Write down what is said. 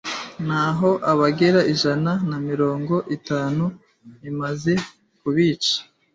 naho abagera ijana na mirongo itanu imaze kubica.